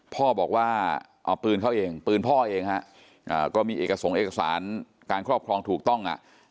พ่อบอกว่าเอาปืนเขาเองปืนพ่อเอง